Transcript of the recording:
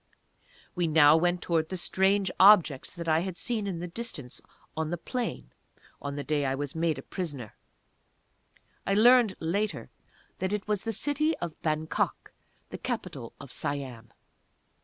We now went towards the strange objects that I had seen in the distance on the plain, on the day I was made prisoner. I learned later that it was the city of Bangok, the capital of Siam.